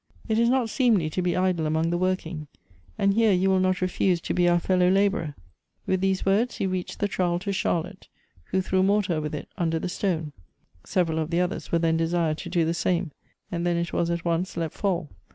It is not seemly to be idle among the working, and here you will not refiise to be our fellow laborer," — with these words he reached the trowel to Charlotte, who threw mortar with it under the stone — several of the others were then desired to do the same, and then it was at once let fall.